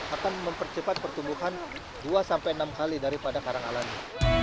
akan mempercepat pertumbuhan dua enam kali daripada karang alami